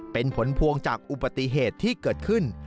เป็นผลพวงจากอุบัติเหตุที่เกิดขึ้น